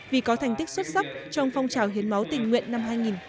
vì có thành tích xuất sắc trong phong trào hiến máu tình nguyện năm hai nghìn một mươi chín